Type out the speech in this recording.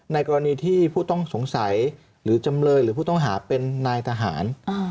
ในกรณีที่ผู้ต้องสงสัยหรือจำเลยหรือผู้ต้องหาเป็นนายทหาร